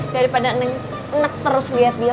daripada neng terus liat dia